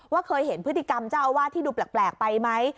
เคยเห็นพฤติกรรมเจ้าอาวาสที่ดูแปลกไปไหม